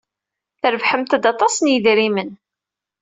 Trebḥemt-d aṭas n yidrimen.